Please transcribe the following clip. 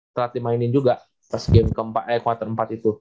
telat dimainin juga pas game quarter empat itu